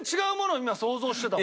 今想像してたもん。